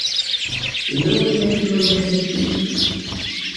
Yella wasmi ay tennulem inisi?